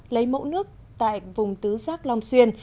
lấy mẫu nước tại vùng tứ giác long xuyên